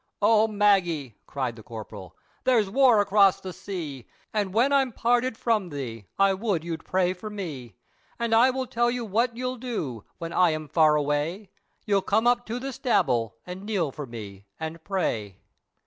"O Maggie!" cried the Corporal, "There's war across the sea, And when I'm parted from thee, I would you'd pray for me, And I will tell you what you'll do, when I am far away, You'll come up to the Staball, and kneel for me, and pray."